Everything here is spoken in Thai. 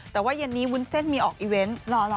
แต่ว่าเย็นนี้วุ้นเส้นมีออกอีเวนต์